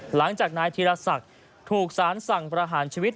หลังจากนายธีรศักดิ์ถูกสารสั่งประหารชีวิต